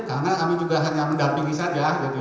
karena kami juga hanya mendampingi saja